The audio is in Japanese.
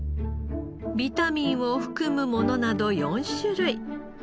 ビタミンを含むものなど４種類。